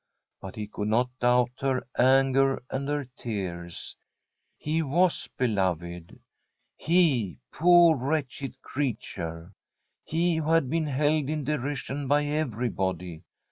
But he could not doubt her anger and her tears. He was beloved — he, poor wretched creature! he who had been held in derision by everybody